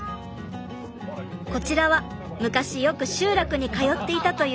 こちらは昔よく集落に通っていたというお二方。